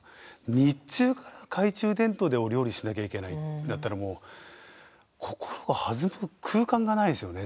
日中から懐中電灯でお料理しなきゃいけないってなったら心が弾む空間がないですよね